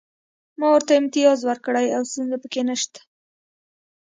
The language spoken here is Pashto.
ما ورته امتیاز ورکړی او ستونزه پکې نشته